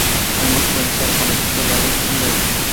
Además puede ser, con respecto a "balón", un verbo.